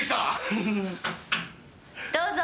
どうぞ。